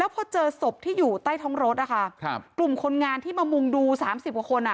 ก็เจอศพที่อยู่ใต้ท้องรถกลุ่มคนงานที่มามุงดู๓๐กว่าคน